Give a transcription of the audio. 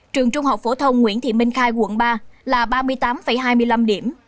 trường trung học phổ thông nguyễn thị minh khai quận ba là ba mươi tám hai mươi năm điểm